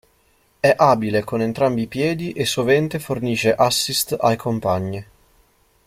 È abile con entrambi i piedi e sovente fornisce assist ai compagni.